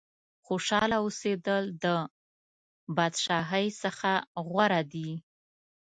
خوشاله اوسېدل د بادشاهۍ څخه غوره دي.